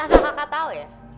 asal kakak tau ya